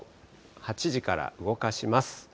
８時から動かします。